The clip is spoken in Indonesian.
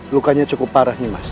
lukanya cukup parah nih mas